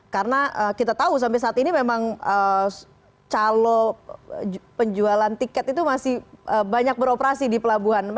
karena kita tahu sampai saat ini memang calo penjualan tiket itu masih banyak beroperasi di pelabuhan